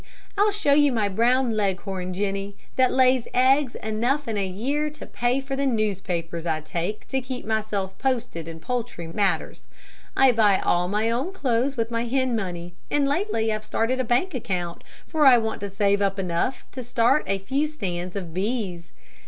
I'll show you my brown Leghorn, Jenny, that lay eggs enough in a year to pay for the newspapers I take to keep myself posted in poultry matters. I buy all my own clothes with my hen money, and lately I've started a bank account, for I want to save up enough to start a few stands of bees.